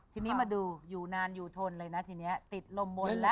ทีนี้มาดูอยู่นานอยู่ทนเลยนะทีนี้ติดลมมนต์แล้ว